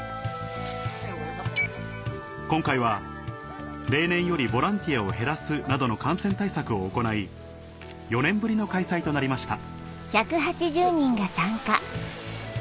今回は例年よりボランティアを減らすなどの感染対策を行い４年ぶりの開催となりました